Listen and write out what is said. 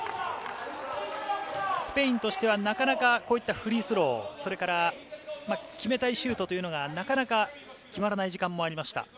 スペインとしてはなかなかこういったフリースロー、それから決めたいシュートというのが、なかなか決まらない時間もありました。